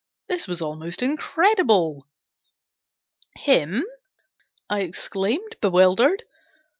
This was almost incredible. "Him/" I exclaimed, bewildered.